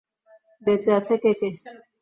বেঁচে আছে, কে কে?